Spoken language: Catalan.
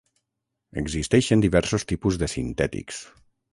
Existeixen diversos tipus de sintètics.